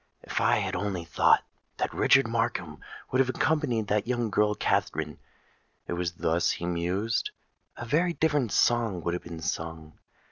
"If I had only thought that Richard Markham would have accompanied that young girl Katharine,"—it was thus he mused,—"a very different song would have been sung.